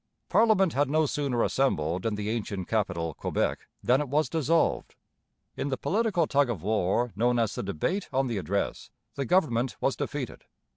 Parliament had no sooner assembled in the ancient capital, Quebec, than it was dissolved. In the political tug of war known as the debate on the Address the government was defeated.